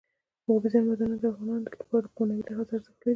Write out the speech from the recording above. اوبزین معدنونه د افغانانو لپاره په معنوي لحاظ ارزښت لري.